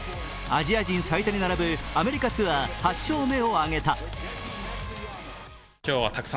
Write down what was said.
アジア人最多に並ぶアメリカツアー８勝目を挙げた。